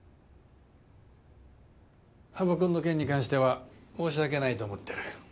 羽生君の件に関しては申し訳ないと思ってる。